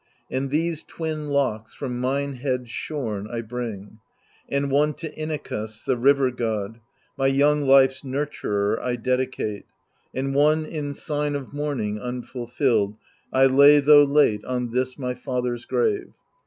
And these twin locks, from mine head shorn, 1 bring, And one to Inachus the river god. My young life's nurturer, I dedicate, And one in sign of mourning unfulfilled I lay, though late, on this my father's grave.